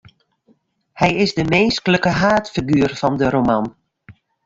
Hy is de minsklike haadfiguer fan de roman.